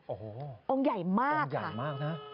โอ้โหองค์ใหญ่มากองค์ใหญ่มากนะ